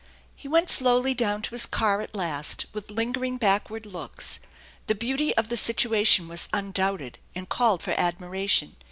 He went slowly down to his car at last with lingering backward looks. The beauty of the situation was undoubted, and called for admiration.